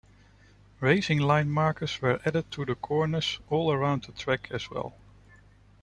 Racing line markers were added to the corners all around the track as well.